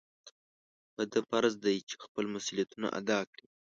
په ده فرض دی چې خپل مسؤلیتونه ادا کړي.